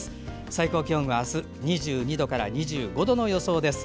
最高気温はあす２２度から２５度の予想です。